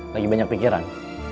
lagi banyak pikiran